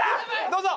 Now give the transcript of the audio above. どうぞ。